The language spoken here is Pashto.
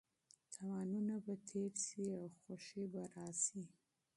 تاوانونه به تېر شي او خوښي به راشي.